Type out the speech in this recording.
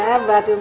ya mbak tum